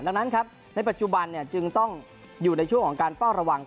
ดังนั้นครับในปัจจุบันจึงต้องอยู่ในช่วงของการเฝ้าระวัง